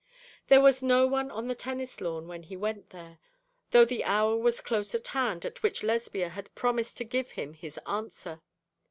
There was no one on the tennis lawn when he went there, though the hour was close at hand at which Lesbia had promised to give him his answer.